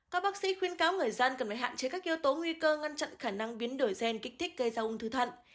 các bác sĩ khuyên cáo người dân cần phải hạn chế các yếu tố nguy cơ ngăn chặn khả năng biến đổi gen kích thích gây ra ung thư thận